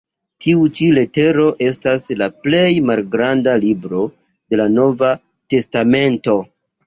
Tiu ĉi letero estas la plej malgranda "libro" de la Nova testamento.